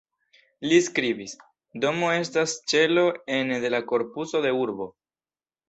Li skribis:"Domo estas ĉelo ene de la korpuso de urbo.